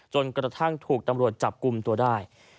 จนกระทั่งถูกตำรวจจับกลุ่มตัวได้